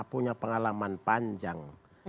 punya pengalaman panjang